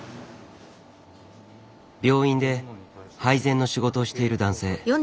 病院で配膳の仕事をしている男性。